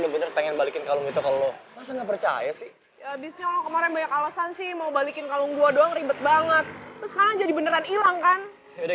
pasti banget rumahnya